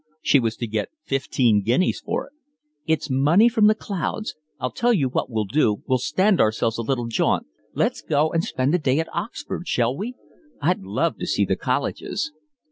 She was to get fifteen guineas for it. "It's money from the clouds. I'll tell you what we'll do, we'll stand ourselves a little jaunt. Let's go and spend a day at Oxford, shall we? I'd love to see the colleges."